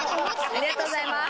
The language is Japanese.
ありがとうございます！